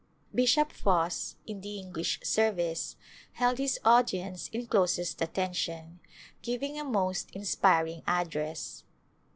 Bishop Foss, in the English service, held his audi ence in closest attention, giving a most inspiring ad dress.